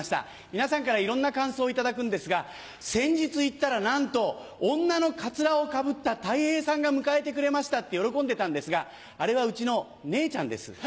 皆さんからいろんな感想を頂くんですが先日行ったらなんと女のカツラをかぶったたい平さんが迎えてくれましたって喜んでたんですがあれはうちの姉ちゃんです。